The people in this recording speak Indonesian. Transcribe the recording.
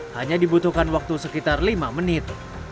hanya dibutuhkan waktu sekitar lima menit